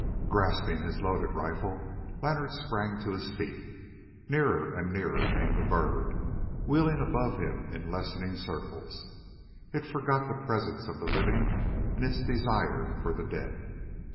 Grasping his loaded rifle Leonard sprang to his feet. Nearer and nearer came the bird, wheeling above him in lessening circles: it forgot the presence of the living in its desire for the dead.